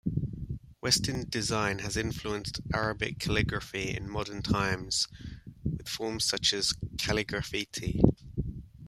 Western design has influenced Arabic Calligraphy in modern times, with forms such as calligraffiti.